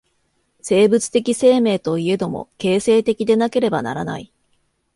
生物的生命といえども、形成的でなければならない。